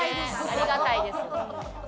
ありがたいです。